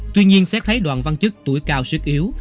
tuy nhiên xét thấy đoàn văn chức tuổi cao sức yếu